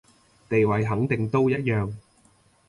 地位肯定都一樣